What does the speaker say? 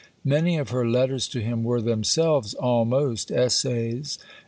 Many of her letters to him were themselves almost Essays.